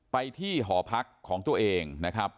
ไปที่หอพักของตัวเองนะครับ